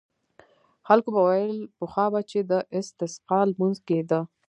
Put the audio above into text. خلکو به ویل پخوا به چې د استسقا لمونځ کېده.